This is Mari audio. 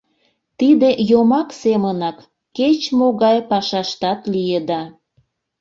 Тиде йомак семынак кеч-могай пашаштат лиеда.